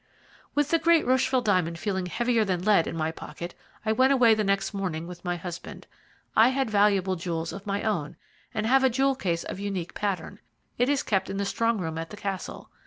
"With the great Rocheville diamond feeling heavier than lead in my pocket, I went away the next morning with my husband. I had valuable jewels of my own, and have a jewel case of unique pattern. It is kept in the strong room at the Castle.